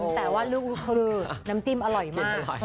แต่ว่าน้ำจิ้มอร่อยมาก